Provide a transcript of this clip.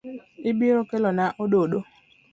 Ibiro Kelona ododo.